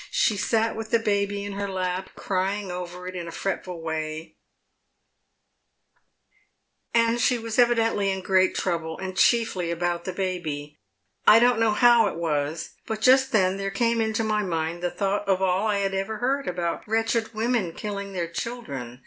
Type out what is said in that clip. She sat with the baby in her lap, crying over it in a fret ful way, and she was evidently in great trouble, and chiefly about the baby. I don't know how it was, but just then there came into my mind the thought of all I had ever heard about wretched women killing their children.